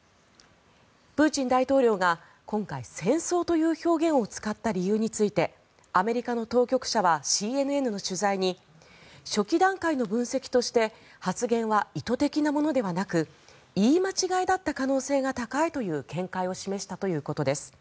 プーチン大統領が今回戦争という表現を使った理由についてアメリカの当局者はＣＮＮの取材に初期段階の分析として発言は意図的なものではなく言い間違えだった可能性が高いという見解を示したということです。